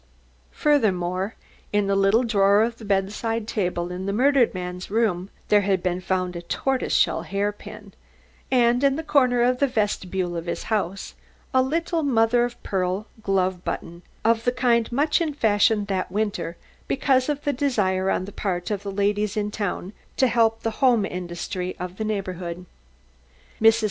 Furthermore, in the little drawer of the bedside table in the murdered man's room, there had been found a tortoise shell hairpin; and in the corner of the vestibule of his house, a little mother of pearl glove button, of the kind much in fashion that winter, because of a desire on the part of the ladies of the town to help the home industry of the neighbourhood. Mrs.